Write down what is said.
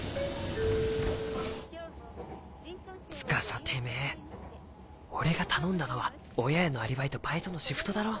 司てめぇ俺が頼んだのは親へのアリバイとバイトのシフトだろ？